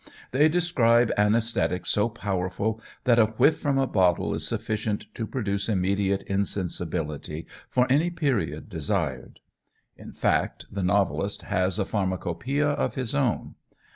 They describe anæsthetics so powerful, that a whiff from a bottle is sufficient to produce immediate insensibility for any period desired. In fact, the novelist has a pharmacopoeia of his own.